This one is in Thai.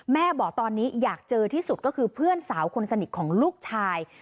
แม่บอกตอนนี้อยากเจอที่สุดก็คือเพื่อนสาวคนสนิทของลูกชาย